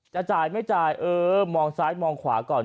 จะจ่ายไม่จ่ายเออมองซ้ายมองขวาก่อน